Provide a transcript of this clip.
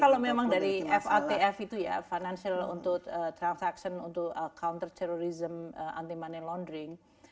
kalau memang dari fatf itu ya financial transaction for counterterrorism anti money laundering